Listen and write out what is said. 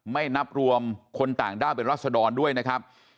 ไม่นับรวมคนต่างด้าวเป็นรัศดรด้วยนะครับ